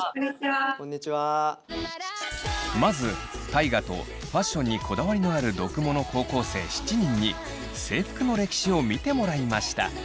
まず大我とファッションにこだわりのある読モの高校生７人に制服の歴史を見てもらいました。